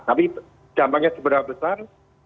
tapi dampaknya seberapa besar